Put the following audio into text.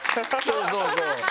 そうそうそう。